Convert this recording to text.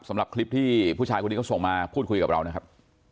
สำหรับคลิปที่ผู้ชายคนนี้เขาส่งมาพูดคุยกับเรานะครับ